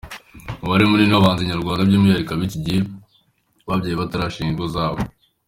Umubare munini w’abahanzi nyarwanda by’umwihariko ab’iki gihe babyaye batarashinga ingo zabo.